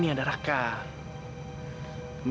gimana kalau satria mulu